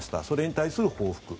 それに対する報復。